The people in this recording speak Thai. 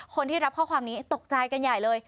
คนที่รับข้อความนี้ตกใจกันใหญ่เลย